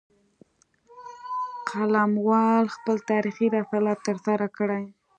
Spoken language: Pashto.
قلموال خپل تاریخي رسالت ترسره کړي